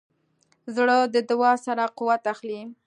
زړه د دعا سره قوت اخلي.